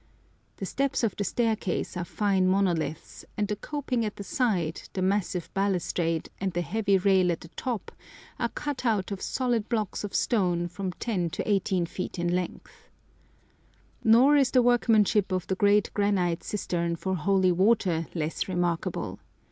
The steps of the staircase are fine monoliths, and the coping at the side, the massive balustrade, and the heavy rail at the top, are cut out of solid blocks of stone from 10 to 18 feet in length. Nor is the workmanship of the great granite cistern for holy water less remarkable.